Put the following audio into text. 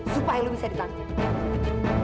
supaya lo bisa berhubungan dengan dia ya